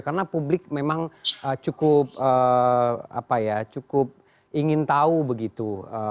karena publik memang cukup ingin tahu begitu